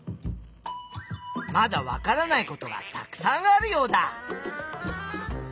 まだわからないことがたくさんあるヨウダ！